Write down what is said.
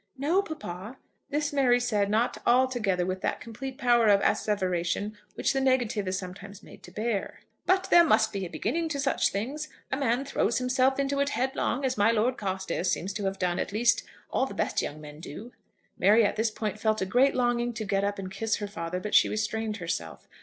"No, papa." This Mary said not altogether with that complete power of asseveration which the negative is sometimes made to bear. "But there must be a beginning to such things. A man throws himself into it headlong, as my Lord Carstairs seems to have done. At least all the best young men do." Mary at this point felt a great longing to get up and kiss her father; but she restrained herself.